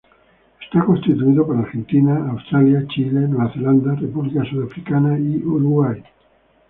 Está constituido por Argentina, Australia, Chile, Nueva Zelanda, República Sudafricana y Uruguay.